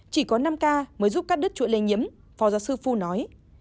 chỉ có năm k mới giúp các đất chuỗi lây nhiễm phó giáo sư phu nói